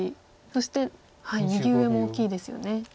そして右上も大きいですよね。